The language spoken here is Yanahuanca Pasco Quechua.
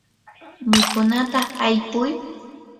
mikunata aypuy.